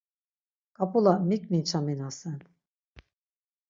Ǩapula mik minçaminasen